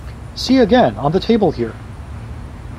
See again, on the table here!